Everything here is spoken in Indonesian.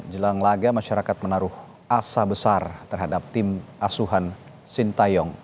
jelang laga masyarakat menaruh asa besar terhadap tim asuhan sintayong